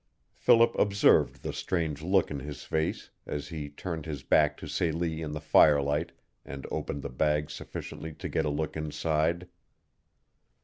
Philip observed the strange look in his face as he turned his back to Celie in the firelight and opened the bag sufficiently to get a look inside.